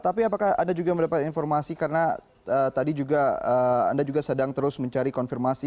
tapi apakah anda juga mendapat informasi karena tadi juga anda juga sedang terus mencari konfirmasi